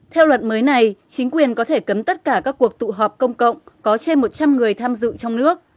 theo luật mới này chính quyền có thể cấm tất cả các cuộc tụ họp công cộng có trên một trăm linh người tham dự trong nước